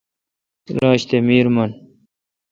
راج تی میر منے۔